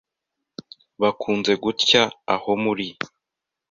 Bakunze gutya aho muri